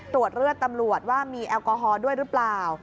ตรวจเลือดตำรวจว่ามีแอลกอฮอล์ด้วยหรือเปล่า